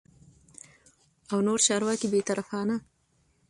او نور چارواکي بې طرفانه